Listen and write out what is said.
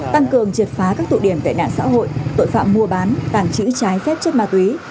tăng cường triệt phá các tụi điểm tệ nạn xã hội tội phạm mua bán tảng trữ trái xét chất ma túy